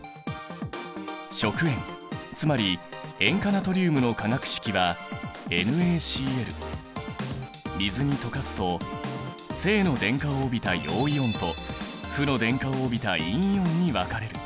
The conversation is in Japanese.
食塩つまり塩化ナトリウムの化学式は水に溶かすと正の電荷を帯びた陽イオンと負の電荷を帯びた陰イオンに分かれる。